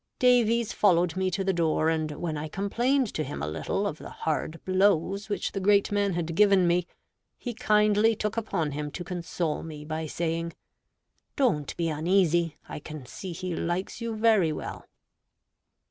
Davies followed me to the door, and when I complained to him a little of the hard blows which the great man had given me, he kindly took upon him to console me by saying, "Don't be uneasy. I can see he likes you very well."